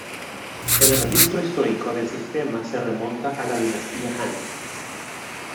El registro histórico del sistema se remonta a la dinastía Han.